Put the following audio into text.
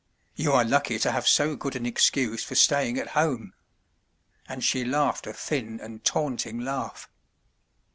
You are lucky to have so good an excuse for staying at home." And she laughed a thin and taunting laugh.